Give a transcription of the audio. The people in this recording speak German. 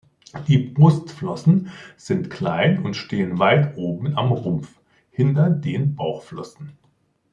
Die Brustflossen sind klein und stehen weit oben am Rumpf, hinter den Bauchflossen.